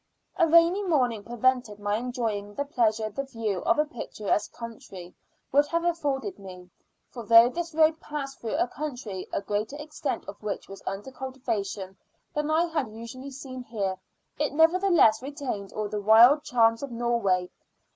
A rainy morning prevented my enjoying the pleasure the view of a picturesque country would have afforded me; for though this road passed through a country a greater extent of which was under cultivation than I had usually seen here, it nevertheless retained all the wild charms of Norway.